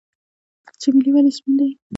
چمیلی ولې سپین دی؟